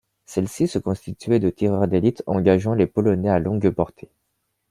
Celles-ci se constituaient de tireurs d'élite engageant les Polonais à longue portée.